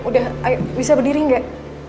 udah bisa berdiri nggak